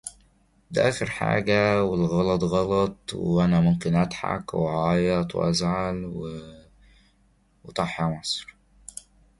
Thus the bad are all taught and the good are all ignorant.